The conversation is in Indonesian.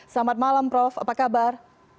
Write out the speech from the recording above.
selamat malam prof apa kabar